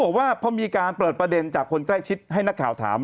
บอกว่าพอมีการเปิดประเด็นจากคนใกล้ชิดให้นักข่าวถาม